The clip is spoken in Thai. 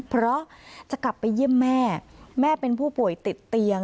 เพราะจะกลับไปเยี่ยมแม่แม่เป็นผู้ป่วยติดเตียง